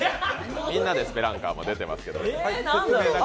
みんなでスペランカーも出てますけど。